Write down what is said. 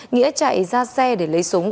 nghĩa chạy ra xe để lấy súng